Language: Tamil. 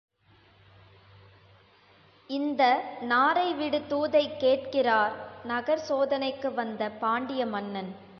இந்த நாரைவிடு தூதைக் கேட்கிறார் நகர் சோதனைக்கு வந்த பாண்டிய மன்னன்.